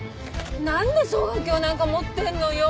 なんで双眼鏡なんか持ってるのよ？